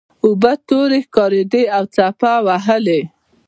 اوبه تورې ښکاریدې او څپه وهلې.